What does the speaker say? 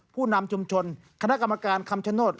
ผู้นำชุมชนคณะกรรมการคำชโนธ